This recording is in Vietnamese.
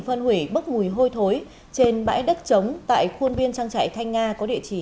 phân hủy bức mùi hôi thối trên bãi đất trống tại khuôn biên trang trại thanh nga có địa chỉ